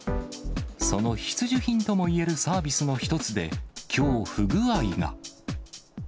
その必需品ともいえるサービスの一つで、きょう、不具合が。